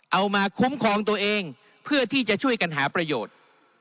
เอามาคุ้มครองตัวเองเพื่อที่จะช่วยกันหาประโยชน์